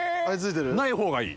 ないほうがいい。